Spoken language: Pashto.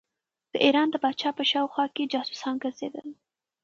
د ایران د پاچا په شاوخوا کې جاسوسان ګرځېدل.